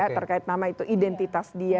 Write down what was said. terkait nama itu identitas dia